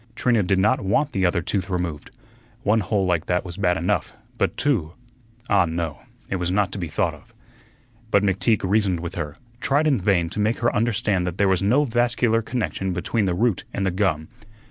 Trina did not want the other tooth removed; one hole like that was bad enough; but two ah, no, it was not to be thought of. But McTeague reasoned with her, tried in vain to make her understand that there was no vascular connection between the root and the gum.